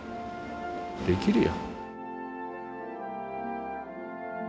できるよ。